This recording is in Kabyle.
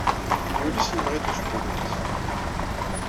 Yules yemɣi-d ucebbub-nnes.